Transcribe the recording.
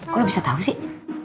kok lo bisa tahu sih